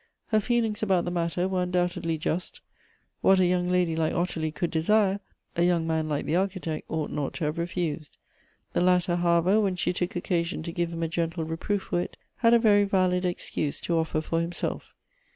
Her feelings about the matter were undoubtedly just ; what a young lady like Ottilie could desire, a young man like the Architect ought not to have refused. The latter, however, when she took occasion to give him a gentle reproof for it, had a very valid excuse to offer for himself.